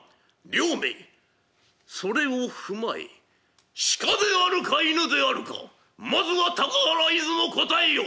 両名それを踏まえ鹿であるか犬であるかまずは高原出雲答えよ」。